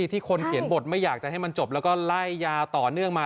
ที่คนเขียนบทไม่อยากจะให้มันจบแล้วก็ไล่ยาวต่อเนื่องมา